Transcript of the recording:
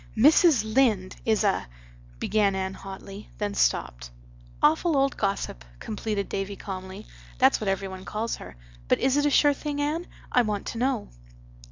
"Mrs. Lynde is a—" began Anne hotly; then stopped. "Awful old gossip," completed Davy calmly. "That's what every one calls her. But is it a sure thing, Anne? I want to know."